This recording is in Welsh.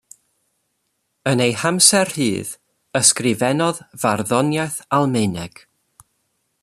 Yn ei hamser rhydd, ysgrifennodd farddoniaeth Almaeneg.